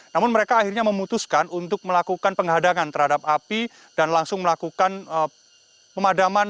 namun mereka akhirnya memutuskan untuk melakukan penghadangan terhadap api dan langsung melakukan pemadaman